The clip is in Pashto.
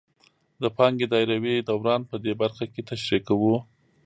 د پانګې دایروي دوران په دې برخه کې تشریح کوو